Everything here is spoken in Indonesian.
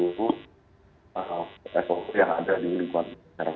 itu sop yang ada di lingkungan